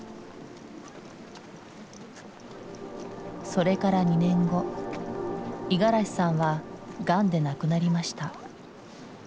それから２年後五十嵐さんはガンで亡くなりました。